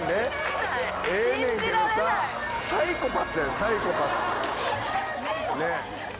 サイコパスやんサイコパス。